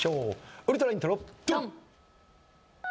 ウルトライントロドン！